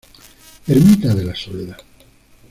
Ermita de la Soledad.